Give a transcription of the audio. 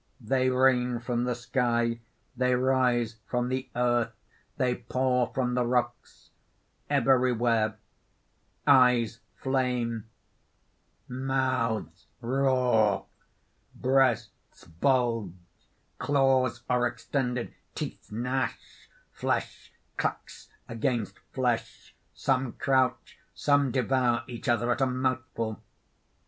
_ _They rain from the sky, they rise from the earth, they pour from the rocks; everywhere eyes flame, mouths roar, breasts bulge, claws are extended, teeth gnash, flesh clacks against flesh. Some crouch; some devour each other at a mouthful.